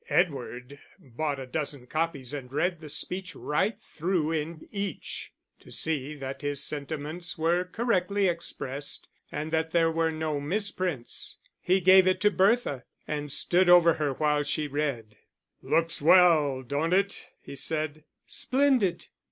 Edward bought a dozen copies and read the speech right through in each, to see that his sentiments were correctly expressed, and that there were no misprints. He gave it to Bertha, and stood over her while she read. "Looks well, don't it?" he said. "Splendid!"